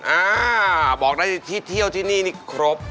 อ่าบอกได้เลยที่เที่ยวที่นี่นี่ครบ